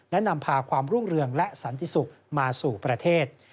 และนำพาความรุ่งเรืองและสันติสุขมาสู่ประเทศ